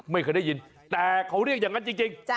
ไม่เคยได้ยินแต่เขาเรียกอย่างนั้นจริง